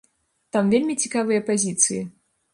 Там вельмі цікавыя пазіцыі.